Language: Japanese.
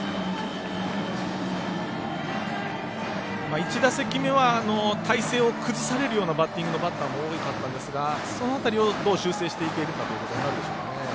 １打席目は体勢を崩されるようなバッティングのバッターも多かったですがその辺りをどう修正していけるかということになってくるでしょうか。